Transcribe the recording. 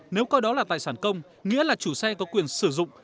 nếu coi đó là tài sản công nghĩa là chủ xe có quyền sử dụng